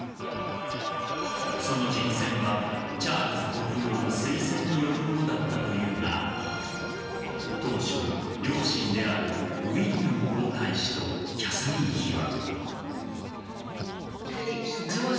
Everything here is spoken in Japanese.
その人選は、チャールズ国王の推薦によるものだったというが当初、両親であるウィリアム皇太子とキャサリン妃は。